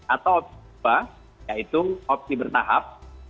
atau opsi yaitu opsi bertahap